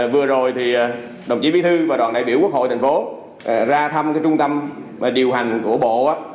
vừa rồi thì đồng chí bí thư và đoàn đại biểu quốc hội thành phố ra thăm trung tâm điều hành của bộ